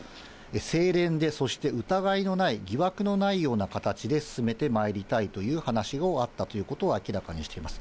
清廉で、そして疑いのない、疑惑のないような形で進めてまいりたいという話があったということを明らかにしています。